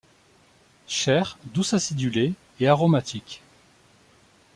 Chair douce-acidulée et aromatique.